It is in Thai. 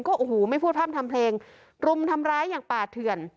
โอ้โหไม่พูดพร่ำทำเพลงรุมทำร้ายอย่างป่าเถื่อน